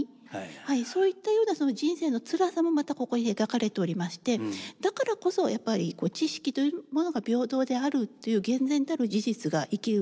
そういったような人生のつらさもまたここに描かれておりましてだからこそやっぱり知識というものが平等であるという厳然たる事実が生きるように思います。